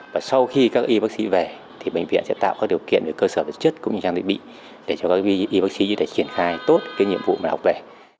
và sau khi các y bác sĩ về thì bệnh viện sẽ tạo các điều kiện về cơ sở vật chất cũng như trang thiết bị để cho các y bác sĩ có thể triển khai tốt cái nhiệm vụ mà học về